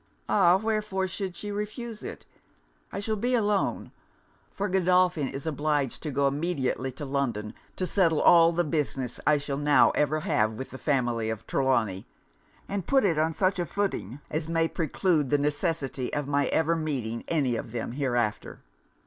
Ah! wherefore should she refuse it? I shall be alone; for Godolphin is obliged to go immediately to London to settle all the business I shall now ever have with the family of Trelawny, and put it on such a footing as may preclude the necessity of my ever meeting any of them hereafter.